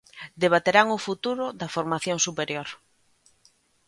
Debaterán o futuro da formación superior.